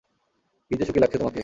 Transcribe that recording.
কিযে সুখী লাগছে তোমাকে!